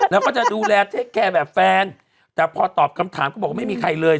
แล้วก็จะดูแลเทคแคร์แบบแฟนแต่พอตอบคำถามก็บอกว่าไม่มีใครเลย